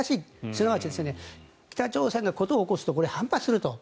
すなわち北朝鮮が事を起こすと反発すると。